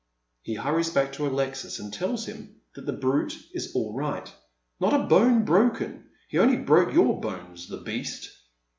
He hurries back to Alexis, and tells him that the brute is all right^ " Not a bone broken. He only broke your bones, the beast."